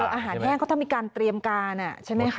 อาหารแห้งเขาทำมีการเตรียมการใช่ไหมครับ